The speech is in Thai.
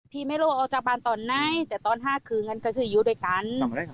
พี่เมโรออกจากบ้านตอนนั้นแต่ตอน๕คืนก็คือยิ้วด้วยกัน